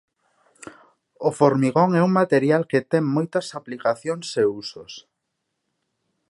O formigón é un material que ten moitas aplicacións e usos.